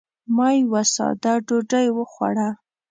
ما یوه ساده ډوډۍ وخوړه.